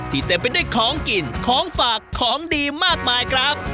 เต็มไปด้วยของกินของฝากของดีมากมายครับ